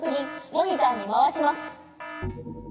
モニターにまわします。